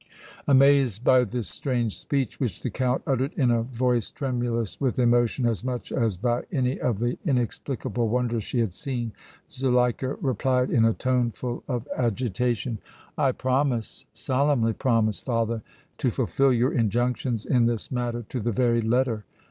Amazed by this strange speech, which the Count uttered in a voice tremulous with emotion, as much as by any of the inexplicable wonders she had seen, Zuleika replied, in a tone full of agitation: "I promise, solemnly promise, father, to fulfil your injunctions in this matter to the very letter!